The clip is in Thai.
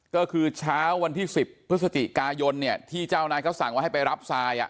ก็คือเช้าวันที่๑๐พฤศจิกายนที่เจ้านายเขาสั่งว่าให้ไปรับทราย